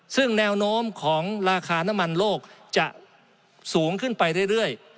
ซึ่งแนวโน้มของราคาน้ำมันโลกจะสูงขึ้นไปเรื่อย